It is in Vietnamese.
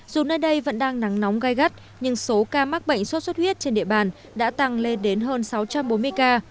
dù nơi đây vẫn đang nắng nóng gai gắt nhưng số ca mắc bệnh sốt xuất huyết trên địa bàn đã tăng lên đến hơn sáu trăm bốn mươi ca